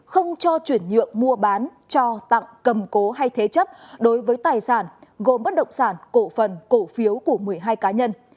không cho chuyển nhượng mua bán cho tặng cầm cố hay thế chấp đối với tài sản gồm bất động sản cổ phần cổ phiếu của một mươi hai cá nhân